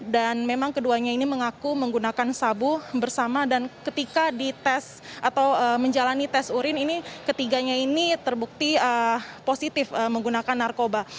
dan memang keduanya ini mengaku menggunakan sabu bersama dan ketika di tes atau menjalani tes urin ini ketiganya ini terbukti positif menggunakan narkoba